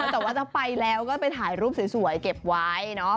แต่ว่าถ้าไปแล้วก็ไปถ่ายรูปสวยเก็บไว้เนาะ